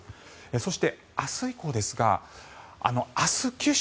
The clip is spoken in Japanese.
そして、明日以降ですが明日、九州